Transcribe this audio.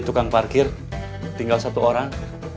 tukang parkir tinggal satu orang